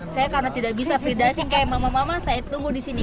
saya karena tidak bisa free diving seperti mama mama saya tunggu di sini